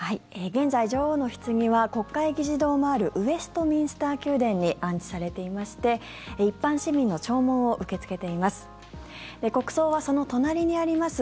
現在、女王のひつぎは国会議事堂もあるウェストミンスター宮殿に安置されていまして一般市民の弔問を受け付けています。